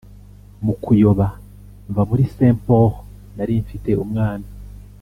Mu kuyoba mva muri Saint Paul, nari mfite umwana